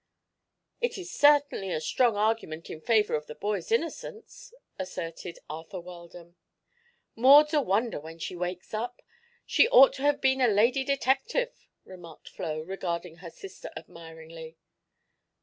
"It is certainly a strong argument in favor of the boy's innocence," asserted Arthur Weldon. "Maud's a wonder when she wakes up. She ought to have been a 'lady detective,'" remarked Flo, regarding her sister admiringly.